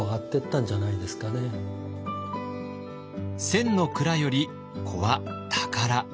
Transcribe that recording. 千の蔵より子は宝。